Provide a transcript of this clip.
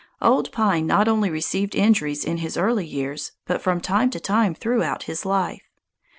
Old Pine not only received injuries in his early years, but from time to time throughout his life.